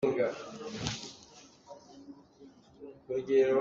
Sa na hawt ahcun sa na ei awk a si.